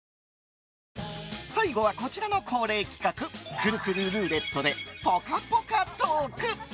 最後は、こちらの恒例企画くるくるルーレットでぽかぽかトーク。